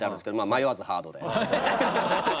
迷わずハードですね。